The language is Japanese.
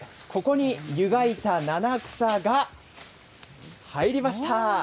ここに湯がいた七草が入りました。